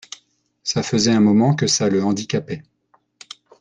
Cela faisait un moment que ça le handicapait.